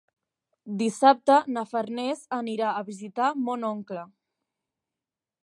Dissabte na Farners anirà a visitar mon oncle.